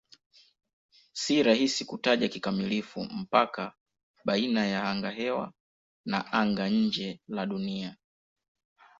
Si rahisi kutaja kikamilifu mpaka baina ya angahewa na anga-nje la Dunia.